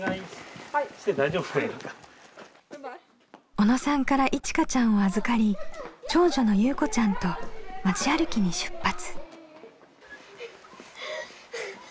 小野さんからいちかちゃんを預かり長女のゆうこちゃんと町歩きに出発。